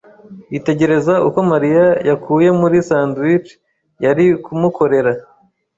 yitegereza uko Mariya yakuye muri sandwich yari kumukorera.